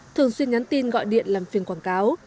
thường xuyên nhắn tin gọi điện làm phiền quảng cáo